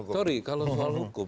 sorry kalau soal hukum